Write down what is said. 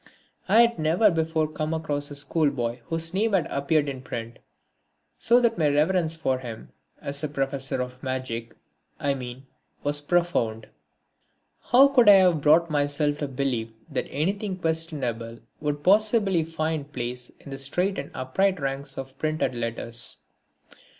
I had never before come across a schoolboy whose name had appeared in print, so that my reverence for him as a professor of magic I mean was profound. How could I have brought myself to believe that anything questionable could possibly find place in the straight and upright ranks of printed letters?